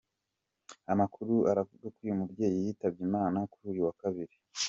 Amakuru aravuga ko uyu mubyeyi yitabye Imana kuri uyu wa kabiri.